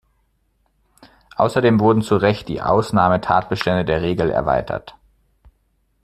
Außerdem wurden zu Recht die Ausnahmetatbestände der "Regel erweitert.